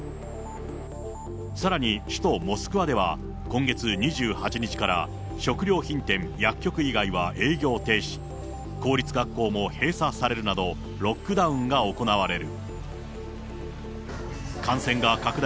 さらに首都モスクワでは、今月２８日から食料品店、薬局以外は営業停止、公立学校も閉鎖されるなど、ロックダウンが行われる。